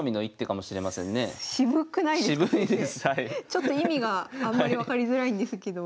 ちょっと意味があんまり分かりづらいんですけど。